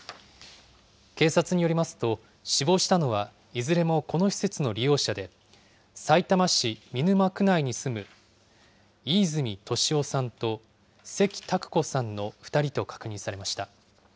警察によりますと、死亡したのは、いずれもこの施設の利用者で、さいたま市見沼区内に住む飯泉利夫さんと、関拓子さんの２人と確認されました。